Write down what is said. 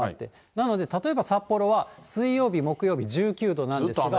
なので、例えば札幌は水曜日、木曜日１９度なんですが。